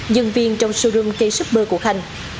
nhân viên trong showroom k shopper của khanh